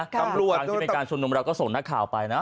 ทางที่มีการชุมนุมเราก็ส่งนักข่าวไปนะ